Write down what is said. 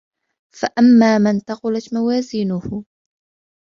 فَأَمَّا مَنْ ثَقُلَتْ مَوَازِينُهُ